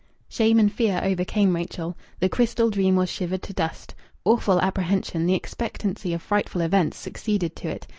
Shame and fear overcame Rachel. The crystal dream was shivered to dust. Awful apprehension, the expectancy of frightful events, succeeded to it.